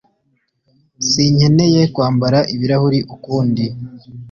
Sinkeneye kwambara ibirahuri ukundi